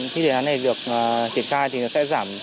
khi đề án này được triển khai thì nó sẽ giảm